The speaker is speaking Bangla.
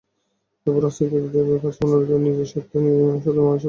তবু রাজনীতিকদের কাছে অনুরোধ, নিজেদের স্বার্থে নয়, সাধারণ মানুষের পক্ষের রাজনীতি করুন।